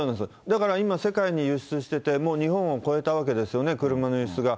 だから今、世界に輸出してて、もう日本を超えたわけですよね、車の輸出が。